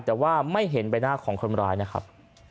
แต่ว่าไม่เห็นใบหน้าของคนร้ายนะครับ